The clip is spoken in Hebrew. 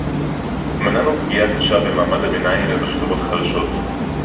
מנענו פגיעה קשה במעמד הביניים ובשכבות החלשות